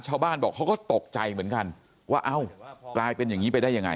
ชาวบ้านบอกเขาก็ตกใจเหมือนกันว่าเอ้ากลายเป็นอย่างนี้ไปได้ยังไง